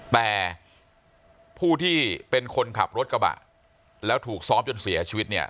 แต่ผู้ที่เป็นคนขับรถกระบะแล้วถูกซ้อมจนเสียชีวิตเนี่ย